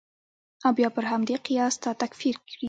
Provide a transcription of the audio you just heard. او بیا پر همدې قیاس تا تکفیر کړي.